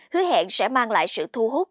hứa hẹn sẽ mang lại sự thu hút